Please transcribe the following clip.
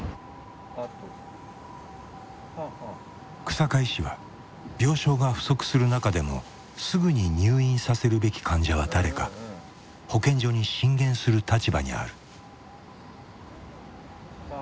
日下医師は病床が不足する中でもすぐに入院させるべき患者は誰か保健所に進言する立場にある。